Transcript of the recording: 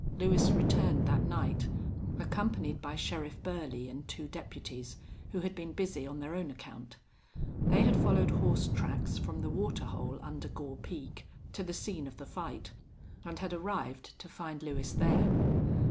Lewis returned that night, accompanied by Sheriff Burley and two deputies, who had been busy on their own account. They had followed horse tracks from the water hole under Gore Peak to the scene of the fight, and had arrived to find Lewis there.